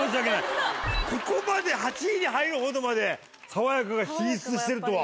ここまで８位に入るほどまでさわやかが進出してるとは。